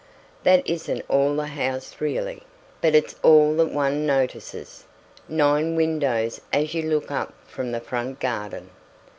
That isn't all the house really, but it's all that one notices nine windows as you look up from the front garden.